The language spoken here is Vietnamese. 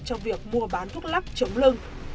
trong việc mua bán thuốc lắc chống lưng